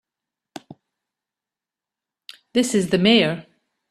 This is the Mayor.